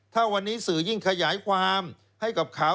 ถ้าวันนี้สื่อยิ่งขยายความให้กับเขา